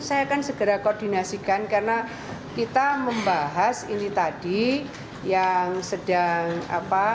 saya akan segera koordinasikan karena kita membahas ini tadi yang sedang apa